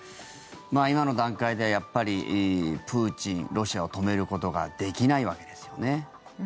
今の段階では、やっぱりプーチン、ロシアを止めることができないわけですよね。